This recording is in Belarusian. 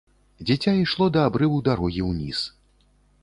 Дзіця ішло да абрыву дарогі ўніз.